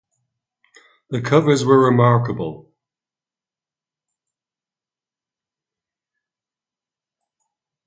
The covers were remarkable.